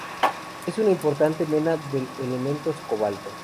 Es una importante mena del elementos cobalto.